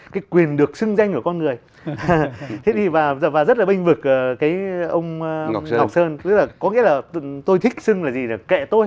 cái quyền được sưng danh của con người và rất là bênh vực ông ngọc sơn có nghĩa là tôi thích sưng là gì kệ tôi